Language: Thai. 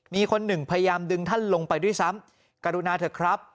มีคนหนึ่งพยายามดึงท่านลงไปด้วยซ้ำกรุณาเถอะครับ